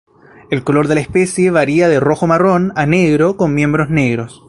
El color de la especie varía de rojo-marrón a negro, con miembros negros.